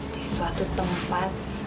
di suatu tempat